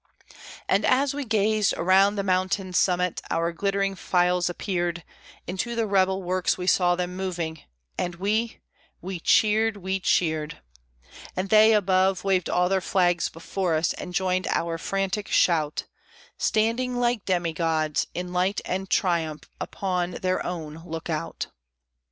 And as we gazed, around the mountain's summit our glittering files appeared, Into the rebel works we saw them moving; and we we cheered, we cheered! And they above waved all their flags before us, and joined our frantic shout, Standing, like demigods, in light and triumph upon their own Lookout!